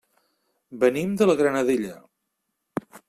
Venim de la Granadella.